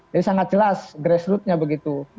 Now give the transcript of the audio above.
jadi sangat jelas grassrootnya begitu